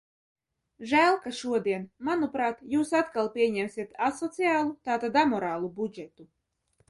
Žēl, ka šodien, manuprāt, jūs atkal pieņemsiet asociālu, tātad amorālu budžetu.